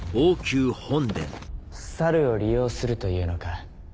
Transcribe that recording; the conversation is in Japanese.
サルを利用するというのか。